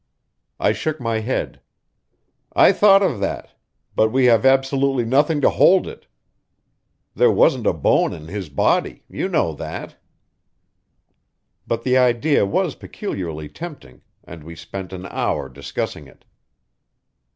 I shook my head. "I thought of that. But we have absolutely nothing to hold it. There wasn't a bone in his body; you know that." But the idea was peculiarly tempting, and we spent an hour discussing it.